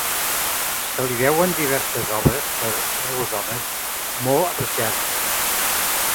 Se li deuen diverses obres per a veus d'homes, molt apreciades.